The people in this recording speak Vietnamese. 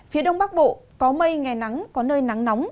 phía đông bắc bộ có mây ngày nắng có nơi nắng nóng